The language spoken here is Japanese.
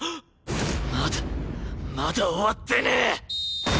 まだまだ終わってねえ！